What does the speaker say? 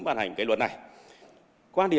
ban hành cái luật này quan điểm